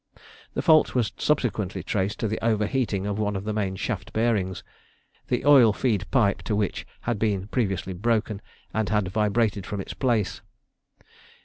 The fault was subsequently traced to the over heating of one of the main shaft bearings, the oil feed pipe to which had been previously broken, and had vibrated from its place.